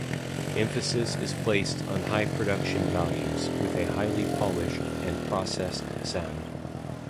Emphasis is placed on high production values with a highly polished and processed sound.